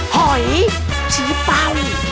หอยชี้เป้า